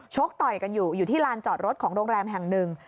กต่อยกันอยู่อยู่ที่ลานจอดรถของโรงแรมแห่งหนึ่ง